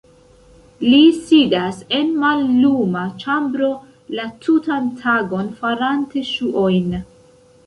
Li sidas en malluma ĉambro la tutan tagon farante ŝuojn.